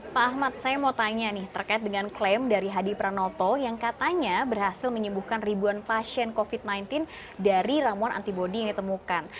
pak ahmad saya mau tanya nih terkait dengan klaim dari hadi pranoto yang katanya berhasil menyembuhkan ribuan pasien covid sembilan belas dari ramuan antibody yang ditemukan